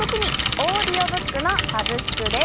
オーディオブックのサブスクです。